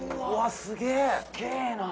すげぇな。